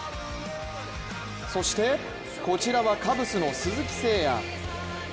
そしてこちらはカブスの鈴木誠也。